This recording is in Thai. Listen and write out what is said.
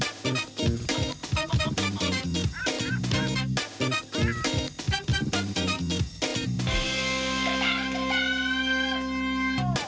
พัก